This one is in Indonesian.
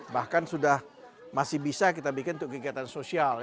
bahkan sudah masih bisa kita bikin untuk kegiatan sosial